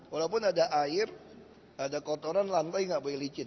walaupun ada air ada kotoran lantai nggak boleh licin